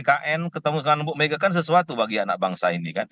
ketua tkn ketemu dengan ibu mega kan sesuatu bagi anak bangsa ini kan